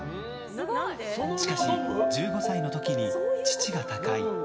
しかし１５歳の時に父が他界。